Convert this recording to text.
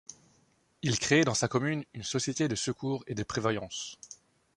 Il crée dans la commune une société de secours et de prévoyance.